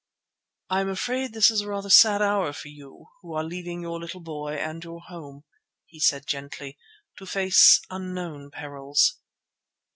"I am afraid this is rather a sad hour for you, who are leaving your little boy and your home," he said gently, "to face unknown perils."